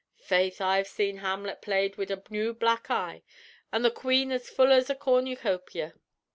Faith, I've seen Hamlut played wid a new black eye, an' the queen as full as a cornucopia.